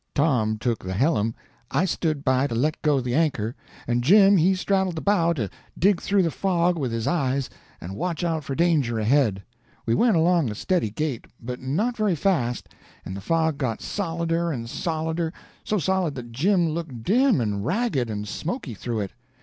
Tom took the hellum, I stood by to let go the anchor, and Jim he straddled the bow to dig through the fog with his eyes and watch out for danger ahead. We went along a steady gait, but not very fast, and the fog got solider and solider, so solid that Jim looked dim and ragged and smoky through it.